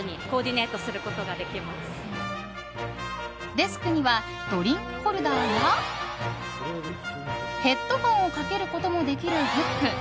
デスクにはドリンクホルダーやヘッドホンをかけることもできるフック。